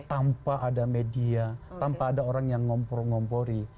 tanpa ada media tanpa ada orang yang ngompor ngompori